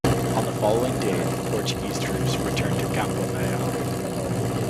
On the following day the Portuguese troops returned to Campo Maior.